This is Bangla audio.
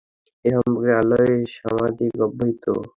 এ সম্পর্কে আল্লাহই সমধিক অবহিত।